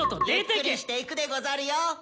ゆっくりしていくでござるよ。